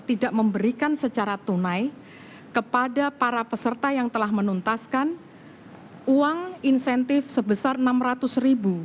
tidak memberikan secara tunai kepada para peserta yang telah menuntaskan uang insentif sebesar rp enam ratus ribu